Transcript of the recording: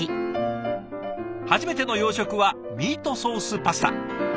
初めての洋食はミートソースパスタ。